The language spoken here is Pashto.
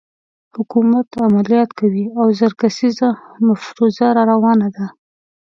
حکومت عملیات کوي او زر کسیزه مفروزه راروانه ده.